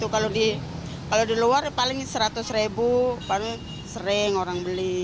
kalau di luar paling seratus ribu paling sering orang beli